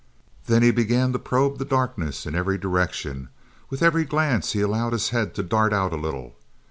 Then he began to probe the darkness in every direction; with every glance he allowed his head to dart out a little.